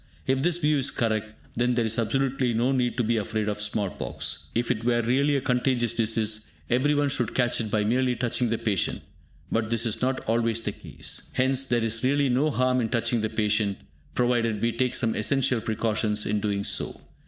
If this view is correct, then there is absolutely no need to be afraid of small pox. If it were really a contagious disease, everyone should catch it by merely touching the patient; but this is not always the case. Hence there is really no harm in touching the patient, provided we take some essential precautions in doing so.